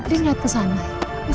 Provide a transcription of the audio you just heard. dia gak tersamai